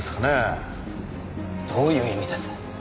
どういう意味です？